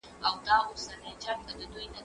هغه څوک چي ميوې خوري قوي وي،